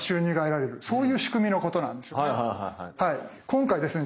今回ですね